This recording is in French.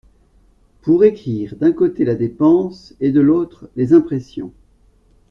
Pour écrire d’un côté la dépense, et de l’autre les impressions.